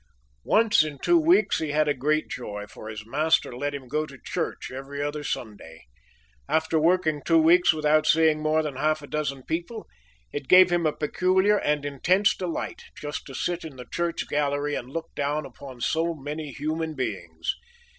Once in two weeks he had a great joy; for his master let him go to church every other Sunday. After working two weeks without seeing more than half a dozen people, it gave him a peculiar and intense delight just to sit in the church gallery and look down upon so many human beings.